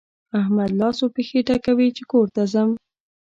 احمد لاس و پښې ټکوي چې کور ته ځم.